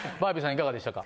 いかがでしたか？